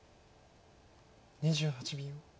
２８秒。